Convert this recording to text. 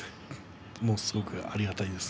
すごくありがたいです。